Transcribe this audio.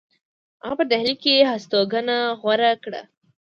هغه په ډهلی کې هستوګنه غوره کړه.